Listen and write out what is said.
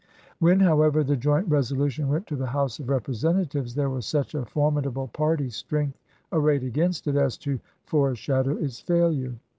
When, however, the Joint Resolution went to the House of Representatives there was such a formid able party strength arrayed against it as to fore shadow its failure.